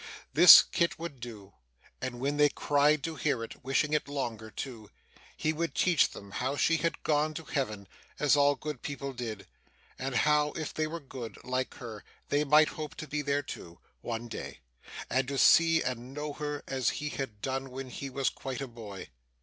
This, Kit would do; and when they cried to hear it, wishing it longer too, he would teach them how she had gone to Heaven, as all good people did; and how, if they were good, like her, they might hope to be there too, one day, and to see and know her as he had done when he was quite a boy.